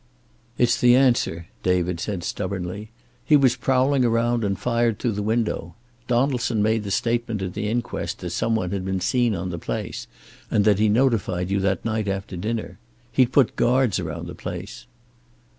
"It's the answer," David said stubbornly. "He was prowling around, and fired through the window. Donaldson made the statement at the inquest that some one had been seen on the place, and that he notified you that night after dinner. He'd put guards around the place."